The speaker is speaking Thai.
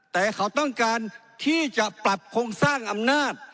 แต่เขาต้องการที่จะปรับโครงสร้างอำนาจ